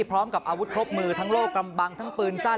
พร้อมกับอาวุธครบมือทั้งโลกกำบังทั้งปืนสั้น